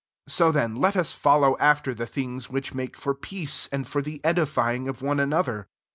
19 So then let us follow after he thingpi, which make for »eace, and for the edifying of me anolher.